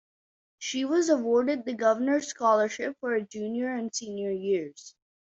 She was awarded the governor's scholarship for her junior and senior years.